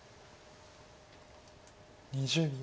２０秒。